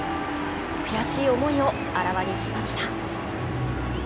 悔しい思いをあらわにしました。